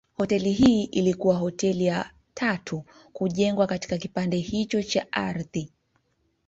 Hoteli hii ilikuwa hoteli ya tatu kujengwa katika kipande hicho cha ardhi.